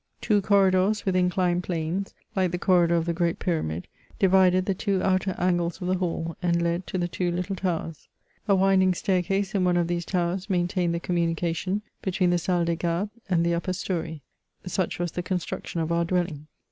Two corridors, with inclined planes, like the corridor of the great Pyramid, divided the two outer angles of the hall, and led to the two little towers. A winding staircase in one of these towers maintained the communication between the Salle des Gardes" and the upper story. Such was the con struction of our dwelling.